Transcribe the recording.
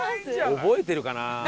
覚えてるかなあ？